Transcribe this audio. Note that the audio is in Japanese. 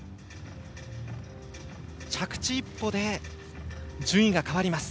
着地１歩で順位が変わります。